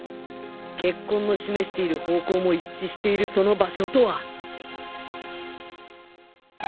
血痕の示している方向も一致しているその場所とは